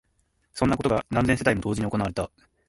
そんなことが何千世帯も同時に行われた